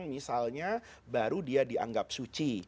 misalnya baru dia dianggap suci